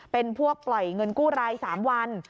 เป็นพวกปล่อยเงินกู้ราย๓วัน